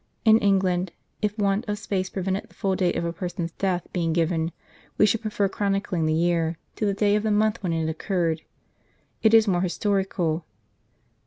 In England, if want of space prevented the full date of a person's death being given, we should prefer chronicling the year, to the day of the month, when it occurred. It is more historical.